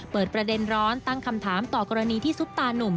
เปิดประเด็นร้อนตั้งคำถามต่อกรณีที่ซุปตานุ่ม